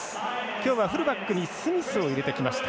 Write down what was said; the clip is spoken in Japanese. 今日はフルバックにスミスを入れてきました。